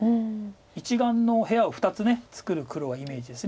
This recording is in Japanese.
１眼の部屋を２つ作る黒はイメージです。